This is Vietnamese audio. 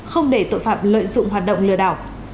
không để tội phạm lợi dụng hoạt động lừa đảo